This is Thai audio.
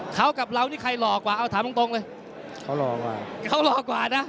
เขากับเรานี่ใครหลอกกว่าเอาถามตรงตรงเลยเขาหลอกกว่า